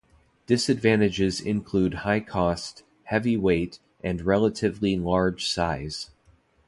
Disadvantages include high cost, heavy weight and relatively large size.